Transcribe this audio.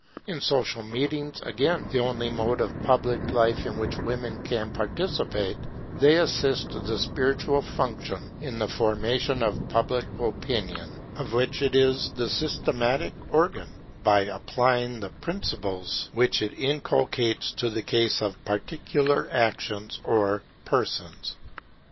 In social meetings, again, the only mode of public life in which women can participate, they assist the spiritual power in the formation of Public Opinion, of which it is the systematic organ, by applying the principles which it inculcates to the case of particular actions or persons.